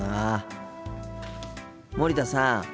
森田さん。